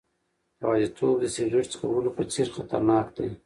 یوازیتوب د سیګریټ څکولو په څېر خطرناک دی.